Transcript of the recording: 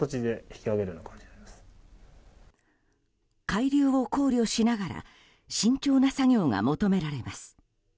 海流を考慮しながら慎重な作業が求められます。